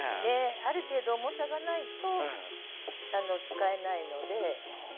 ある程度、重さがないと使えないので。